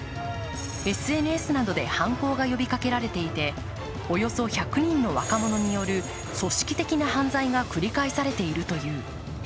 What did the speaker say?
ＳＮＳなどで犯行が呼びかけられていておよそ１００人の若者による組織的な犯罪が繰り返されているという。